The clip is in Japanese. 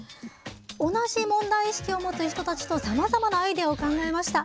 同じ問題意識を持つ人たちとさまざまな意見を出し合いました。